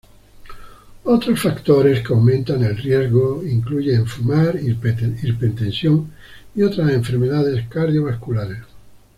Otros factores que aumentan el riesgo incluyen fumar, hipertensión y otras enfermedades cardiovasculares.